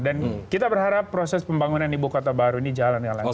dan kita berharap proses pembangunan ibu kota baru ini jalan dengan lancar